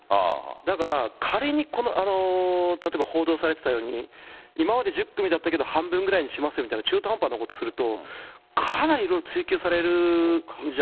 だから仮にこの例えば報道されてたように、今まで１０組だったけど、半分ぐらいにしますよみたいな中途半端なことすると、かなり追及されるんじゃ。